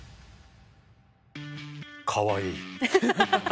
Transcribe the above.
かわいい。